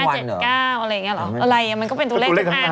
วันเหรอห้าเจ็ดเก้าอะไรอย่างเงี้ยเหรออะไรอ่ะมันก็เป็นตัวเลขทั้งนั้น